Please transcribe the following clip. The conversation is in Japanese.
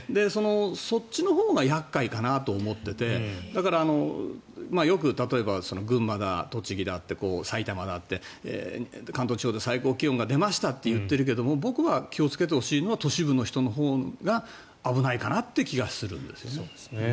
そっちのほうが厄介かなと思っていてだから、よく例えば群馬だ、栃木だって埼玉だって関東地方で最高気温が出ましたって言ってるけど僕は気を付けてほしいのは都市部の人のほうが危ないかなっていう気がするんです。